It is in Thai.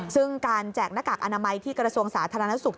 ซึ่งการแจกหน้ากากอนามัยที่กระทรวงสาธารณสุข